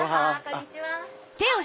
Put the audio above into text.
こんにちは。